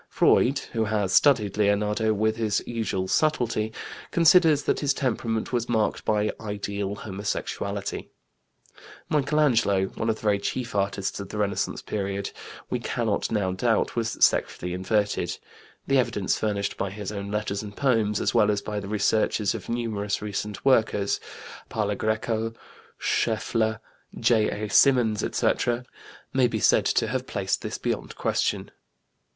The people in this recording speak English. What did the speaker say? Freud, who has studied Leonardo with his usual subtlety, considers that his temperament was marked by "ideal homosexuality." Michelangelo, one of the very chief artists of the Renaissance period, we cannot now doubt, was sexually inverted. The evidence furnished by his own letters and poems, as well as the researches of numerous recent workers, Parlagreco, Scheffler, J.A. Symonds, etc., may be said to have placed this beyond question.